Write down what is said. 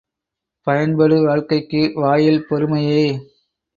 பயன்படு வாழ்க்கைக்கு வாயில் பொறுமையே!